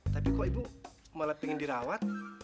tapi kok ibu malah pengen dirawat